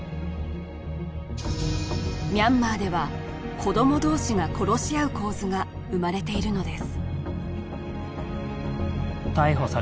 ミャンマーでは子ども同士が殺し合う構図が生まれているのです